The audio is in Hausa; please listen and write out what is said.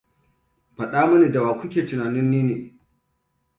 Faɗa mini da wa ku ke tunanin ni ne.